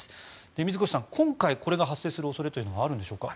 水越さん、今回これが発生する恐れというのがあるんでしょうか？